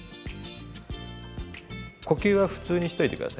呼吸は普通にしといて下さいね